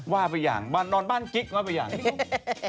ว่าไปอย่างนอนบ้านกิ๊กว่าไปอย่างนี้